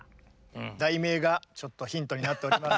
題名がちょっとヒントになっております。